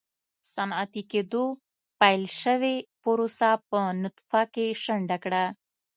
صنعتي کېدو پیل شوې پروسه په نطفه کې شنډه کړه.